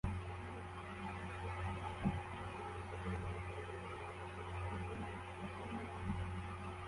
Umuntu uri kuri gare